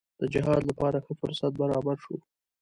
د جهاد لپاره ښه فرصت برابر شو.